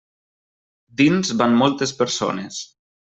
Dins van moltes persones.